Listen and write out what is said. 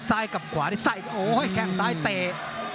ซ้ายกับขวาที่ใส่ฮืมแค่งซ้ายเตะ